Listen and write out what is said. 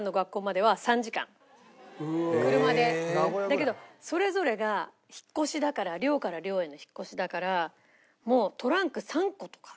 だけどそれぞれが引っ越しだから寮から寮への引っ越しだからもうトランク３個とか。